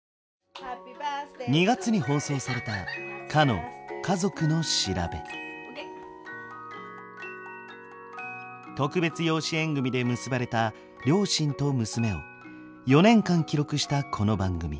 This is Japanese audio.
２月に放送された特別養子縁組みで結ばれた両親と娘を４年間記録したこの番組。